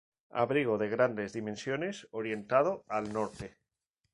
Abrigo de grandes dimensiones orientado al Norte.